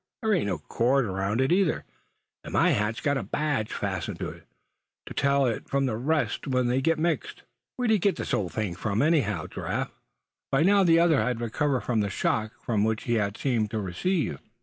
There ain't no cord around it either; and my hat's got my badge fastened to it, to tell it from the rest when they get mixed. Where'd you get this old thing, anyhow, Giraffe?" By now the other had recovered from the shock which he seemed to have received.